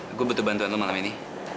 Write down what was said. aku butuh bantuan lo malam ini